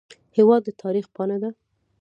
هېواد د تاریخ پاڼه ده.